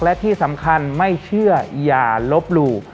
และที่สำคัญไม่เชื่ออย่าลบหลู่